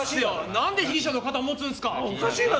なんで被疑者の肩を持つんすか？